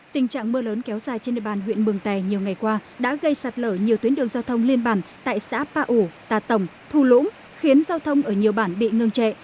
tình trạng mưa lớn kéo dài trên địa bàn huyện mường tè nhiều ngày qua đã gây sạt lở nhiều tuyến đường giao thông liên bản tại xã pa ủ tà tổng thu lũng khiến giao thông ở nhiều bản bị ngưng trệ